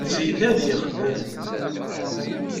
Eǧǧ-it ad t-yexdem.